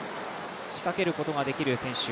仕掛けることができる選手。